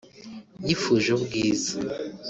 Yifuje ubwiza